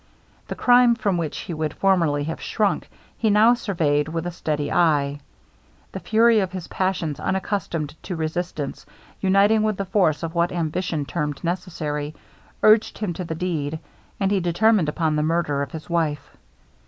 The crime from which he would formerly have shrunk, he now surveyed with a steady eye. The fury of his passions, unaccustomed to resistance, uniting with the force of what ambition termed necessity urged him to the deed, and he determined upon the murder of his wife.